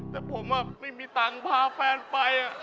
แต่ผมไม่มีตังค์พาแฟนไป